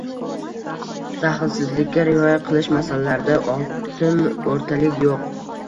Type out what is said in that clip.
Daxlsizlikka rioya qilish masalalarida oltin o‘rtalik yo‘q.